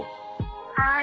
はい。